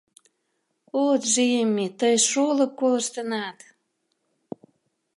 — О, Джимми, тый шолып колыштынат?!